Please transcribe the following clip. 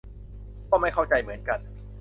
ก็ไม่เข้าใจเหมือนกัน